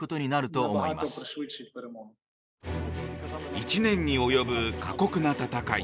１年に及ぶ過酷な戦い。